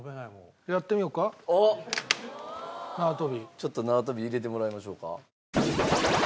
ちょっと縄跳び入れてもらいましょうか。